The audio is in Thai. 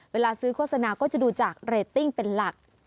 เวลาซื้อโฆษณาก็จะดูจากเรตติ้งเป็นหลัก